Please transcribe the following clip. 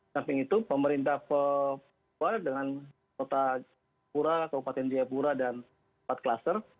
samping itu pemerintah papua dengan kota pura kabupaten jayapura dan empat klaster